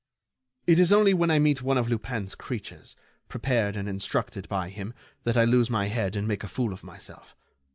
It is only when I meet one of Lupin's creatures, prepared and instructed by him, that I lose my head and make a fool of myself....